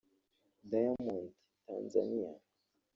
Diamond (Tanzania)